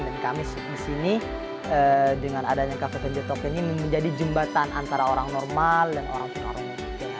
jadi kami di sini dengan adanya kafe penjotok ini menjadi jembatan antara orang normal dan orang tuna rungu